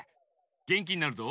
げんきになるぞ。